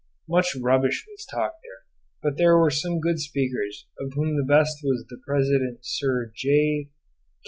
Much rubbish was talked there, but there were some good speakers, of whom the best was the present Sir J.